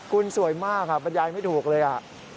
กูเป็นสวยมากบรรยายไม่ถูกเลย